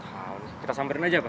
gak tau nih kita samperin aja pak